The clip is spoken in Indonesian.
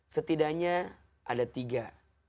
setidaknya ada yang berpengaruh berpengaruh dengan media sosial